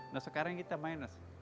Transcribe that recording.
nah sekarang kita minus